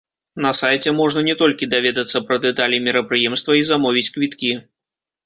На сайце можна не толькі даведацца пра дэталі мерапрыемства і замовіць квіткі.